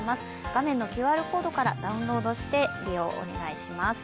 画面のＱＲコードからダウンロードして利用をお願いします。